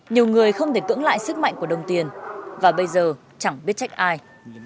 nhiều người không thể cưỡng lại sức mạnh của đồng tiền và bây giờ chẳng biết trách ai